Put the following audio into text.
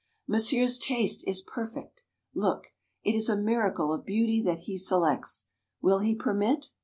Monsieur's taste is perfect. Look! It is a miracle of beauty that he selects. Will he permit?"